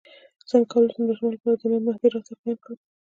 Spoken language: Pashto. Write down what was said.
څنګه کولی شم د ماشومانو لپاره د امام مهدي راتګ بیان کړم